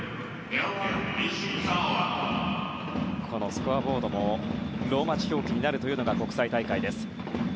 スコアボードもローマ字表記になるというのが国際大会です。